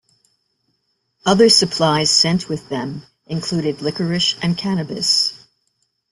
Other supplies sent with them included liquorice and cannabis.